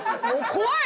怖い！